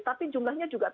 tapi jumlahnya juga tidak